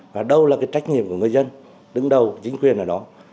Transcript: và đâu là cái trách nhiệm của người dân đứng đầu chính quyền ở đó